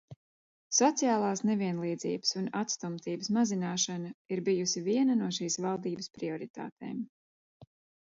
Sociālās nevienlīdzības un atstumtības mazināšana ir bijusi viena no šīs valdības prioritātēm.